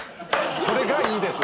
それがいいです。